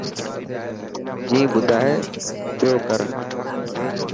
جيبن ٻڌائي پيوڪرو.